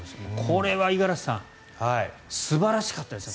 これは五十嵐さん素晴らしかったですね。